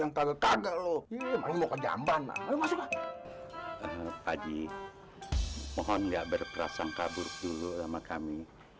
yang kagak kagak loh ini mau ke jamban masuk pak haji mohon enggak berperasaan kabur dulu sama kami